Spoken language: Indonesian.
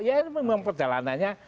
ya ini memang perjalanannya